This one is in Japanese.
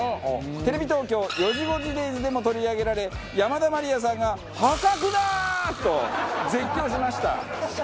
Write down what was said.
テレビ東京『よじごじＤａｙｓ』でも取り上げられ山田まりやさんが「破格だ！」と絶叫しました。